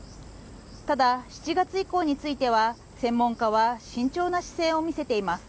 ただ、７月以降については専門家は慎重な姿勢を見せています。